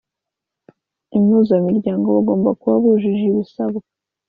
impuzamiryango bagomba kuba bujuje ibisabwa